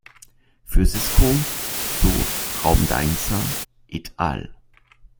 Für Sisko, so Raum-Deinzer et al.